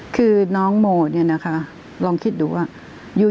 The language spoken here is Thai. คือน้องโมเนี่ยนะคะลองคิดดูว่า